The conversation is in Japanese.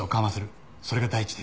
それが第一です。